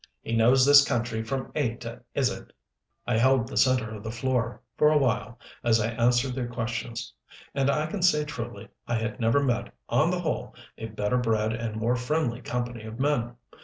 He knows this country from A to Izzard." I held the center of the floor, for a while, as I answered their questions; and I can say truly I had never met, on the whole, a better bred and more friendly company of men.